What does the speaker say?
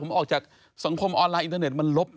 ผมออกจากสังคมออนไลน์อินเทอร์เน็ตมันลบ